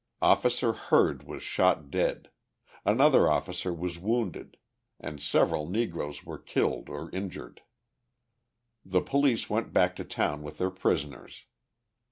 Officer Heard was shot dead; another officer was wounded, and several Negroes were killed or injured. The police went back to town with their prisoners.